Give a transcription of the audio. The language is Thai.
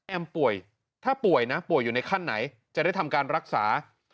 ป่วยถ้าป่วยนะป่วยอยู่ในขั้นไหนจะได้ทำการรักษา